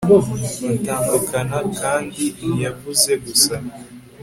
batandukana. kandi ntiyavuze gusa